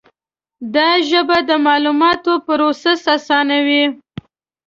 دا ژبه د معلوماتو پروسس آسانوي.